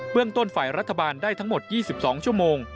เรื่องต้นฝ่ายรัฐบาลได้ทั้งหมด๒๒ชั่วโมง